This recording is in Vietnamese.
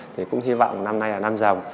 thì cũng hy vọng năm nay là năm rồng